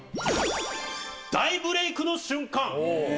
「大ブレイクの瞬間」